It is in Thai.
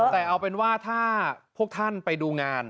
แต่เอาเป็นว่าถ้าพวกท่านไปดูงาน